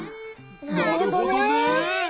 なるほどね。